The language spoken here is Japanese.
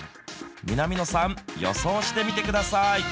南野さん、予想してみてください。